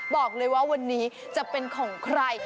บอกเลยว่าวันนี้จะเป็นของใคร